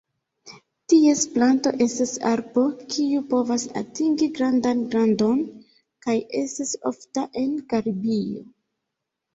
Ties planto estas arbo kiu povas atingi grandan grandon, kaj estas ofta en Karibio.